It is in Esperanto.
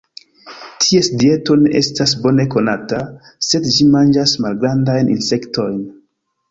Ties dieto ne estas bone konata, sed ĝi manĝas malgrandajn insektojn.